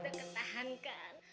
tentang tahan kan